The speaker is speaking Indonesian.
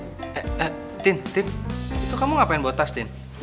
eh eh tintin itu kamu ngapain bawa tas tintin